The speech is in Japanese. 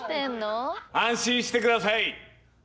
安心して下さい。